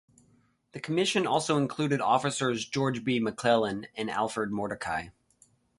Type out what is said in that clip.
The commission also included officers George B. McClellan and Alfred Mordecai.